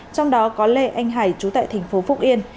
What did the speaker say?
trong đó có lê anh hải chú tại thành phố phúc yên